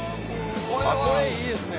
これいいですね。